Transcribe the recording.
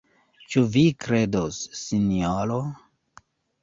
Ĉu vi kredos, sinjoro?